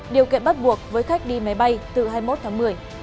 điều kiện bắt buộc với khách đi máy bay từ hai mươi một tháng một mươi